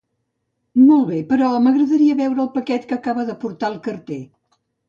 Molt bé, però m'agradaria veure el paquet que acaba de portar el carter.